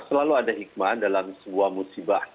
selalu ada hikmah dalam sebuah musibah